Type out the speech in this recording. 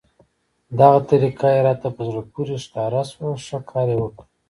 دغه طریقه یې راته په زړه پورې ښکاره شوه، ښه کار یې وکړ.